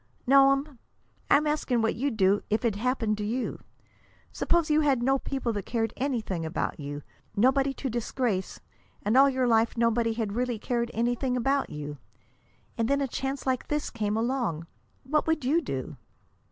"No'm. I'm asking what you'd do if it happened to you. Suppose you had no people that cared anything about you, nobody to disgrace, and all your life nobody had really cared anything about you. And then a chance like this came along. What would you do?"